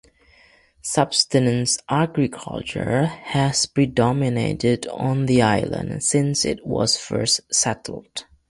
Subsistence agriculture has predominated on the island since it was first settled.